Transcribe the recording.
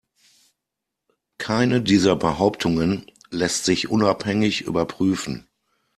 Keine dieser Behauptungen lässt sich unabhängig überprüfen.